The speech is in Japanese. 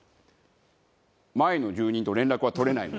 前の住人と連絡は取れないのか？